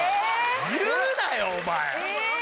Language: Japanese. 言うなよお前！